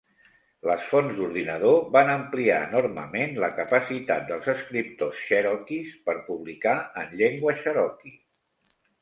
Les fonts d'ordinador van ampliar enormement la capacitat dels escriptors cherokees per publicar en llengua cherokee.